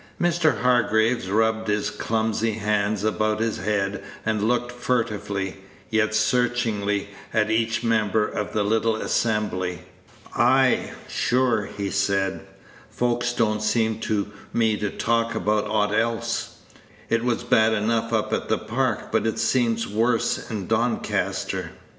Mr. Hargraves rubbed his clumsy hands about his head, and looked furtively, yet searchingly, at each member of the little assembly. "Ay, sure," he said, "folks don't seem to me to talk about aught else. It was bad enough up at the Park, but it seems worse in Doncaster."